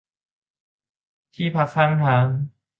ที่พักข้างทาง